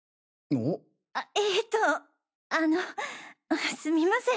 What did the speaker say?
ええとあのすみません